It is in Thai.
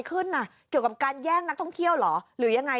เกี่ยวกับการแย่งนักท่องเที่ยวเหรอหรือยังไง